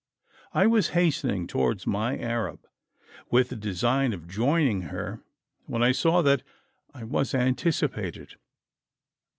I was hastening towards my Arab, with the design of joining her, when I saw that I was anticipated.